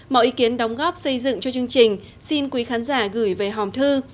mọi ý kiến đóng góp xây dựng cho chương trình xin quý khán giả gửi về hòm thư